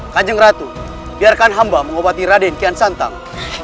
kanjeng ratu biarkan hamba mengobati raden kian santang